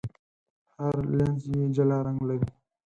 هر لینز یې جلا رنګ لري.